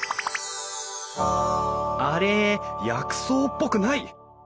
あれ薬草っぽくない！